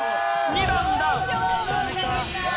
２段ダウン！